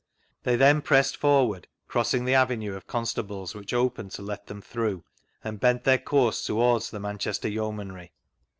They then pressed forward, crossing the avenue of constables, which opened to let them through, and bent their course towards the Manchester Yeomanry.